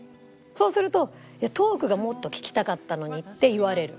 そうすると「トークがもっと聞きたかったのに」って言われる。